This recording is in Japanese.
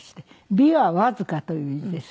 「び」は「わずか」という字です。